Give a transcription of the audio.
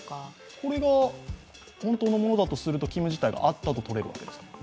これが本当のものだとすると勤務実態があったととれるわけですか。